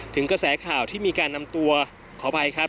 ถึงกระแสข่าวที่มีการนำตัวขออภัยครับ